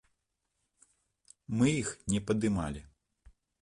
Мы іх не падымалі.